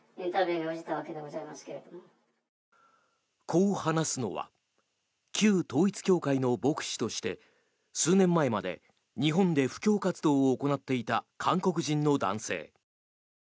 こう話すのは旧統一教会の牧師として数年前まで日本で布教活動を行っていた韓国人の男性。